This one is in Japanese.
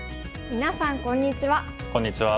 みなさんこんにちは。